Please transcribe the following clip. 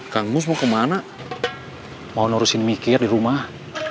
kang gus mau kemana mau nurusin mikir di rumah